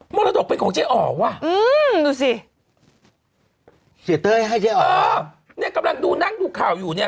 รดกเป็นของเจ๊อ๋อว่ะอืมดูสิเสียเต้ยให้เจ๊อ๋อเนี่ยกำลังดูนั่งดูข่าวอยู่เนี่ย